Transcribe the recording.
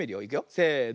せの。